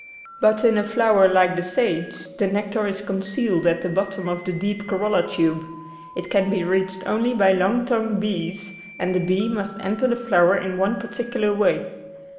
But in a flower like the sage the nectar is concealed at the bottom of the deep corolla tube ; it can be reached only by long tongued bees, and the bee must enter the flower in one particular way.